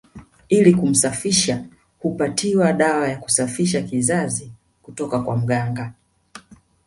Ili kumsafisha hupatiwa dawa ya kusafisha kizazi kutoka kwa mganga